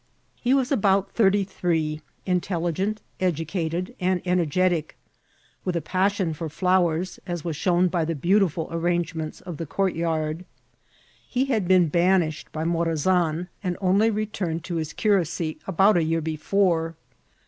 He was about thirty three, intelligent, educated, and ener getic, with a passion for flowers, as was shown by the beautiful arrangements of the courtyard. He had been banished by Morazan, and only returned to his curacy about a year before.